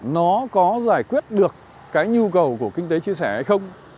nó có giải quyết được cái nhu cầu của kinh tế chia sẻ hay không